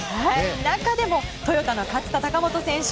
中でもトヨタの勝田貴元選手